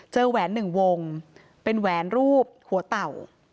เจอแหวน๑วงเป็นแหวนรูปหัวเต่า